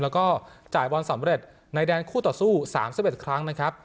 แล้วก็จ่ายบอลสำเร็จในแดนคู่ต่อสู้๓๑ครั้งนะครับ